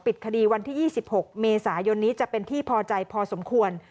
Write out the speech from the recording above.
คดีวันที่๒๖เมษายนนี้จะเป็นที่พอใจพอสมควร